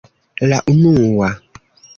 - La unua...